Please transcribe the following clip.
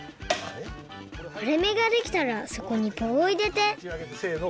われめができたらそこにぼうをいれてもちあげてせの！